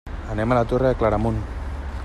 Anem a la Torre de Claramunt.